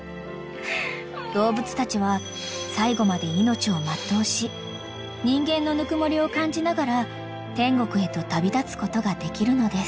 ［動物たちは最期まで命を全うし人間のぬくもりを感じながら天国へと旅立つことができるのです］